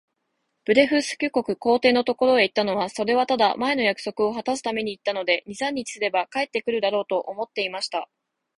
ブレフスキュ国皇帝のところへ行ったのは、それはただ、前の約束をはたすために行ったので、二三日すれば帰って来るだろう、と思っていました。